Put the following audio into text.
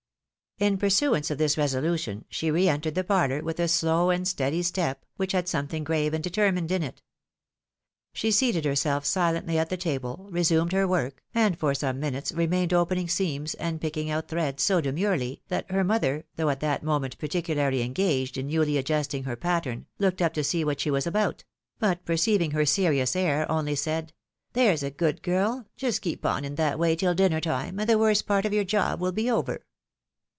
In pursuance of this resolution, she re entered the parlour with a slow and steady step, which had something grave and determined in it. She seated herself silently at the table, resumed her work, and for some minutes remained opening seams, and picking out threads so demurely, that her mother, though at that moment particularly engaged in newly adjusting her pattern, looked up to see what she was about ; but perceiving her serious air, only said, " There's a good girl, just keep on in that way till dinner time, and the worse part of your job wiU be over."